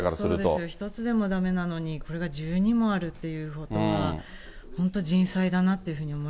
本当、そうですよ、１つでもだめなのに、それが１２もあるということは、本当、人災だなというふうに思い